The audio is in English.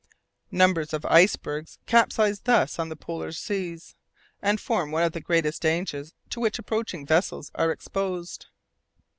Numbers of icebergs capsize thus on the polar seas, and form one of the greatest dangers to which approaching vessels are exposed.